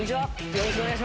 よろしくお願いします。